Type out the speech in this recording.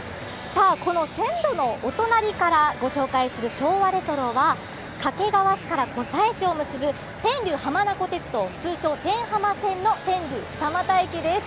この線路のお隣からご紹介する昭和レトロは掛川市から湖西市を結ぶ天竜浜名湖鉄道、通称天浜線の天竜二俣駅です。